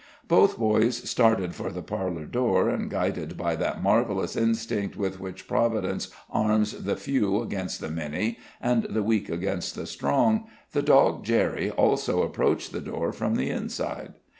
Both boys started for the parlor door, and, guided by that marvelous instinct with which Providence arms the few against the many, and the weak against the strong, the dog Jerry also approached the door from the inside.